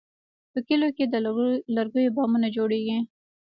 په کلیو کې د لرګي بامونه جوړېږي.